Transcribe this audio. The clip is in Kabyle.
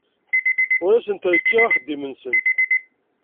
Ur asen-rekkiɣ axeddim-nsen.